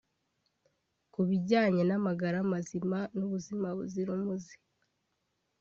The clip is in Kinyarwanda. Ku bijyanye n’amagara mazima n’ubuzima buzira umuze